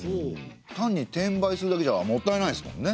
単に転売するだけじゃもったいないですもんね。